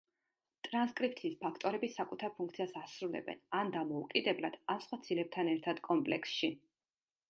ტრანსკრიფციის ფაქტორები საკუთარ ფუნქციას ასრულებენ ან დამოუკიდებლად, ან სხვა ცილებთან ერთად კომპლექსში.